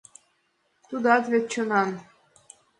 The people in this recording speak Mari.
Тудат вет чонан.